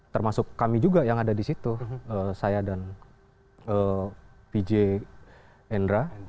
termasuk kami juga yang ada di situ saya dan pj endra